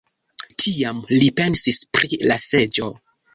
Tiam li pensis pri la seĝo.